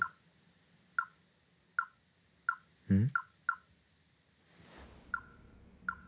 「うん？」